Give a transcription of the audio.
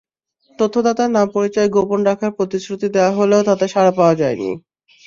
তথ্যদাতার নাম-পরিচয় গোপন রাখার প্রতিশ্রুতি দেওয়া হলেও তাতে সাড়া পাওয়া যায়নি।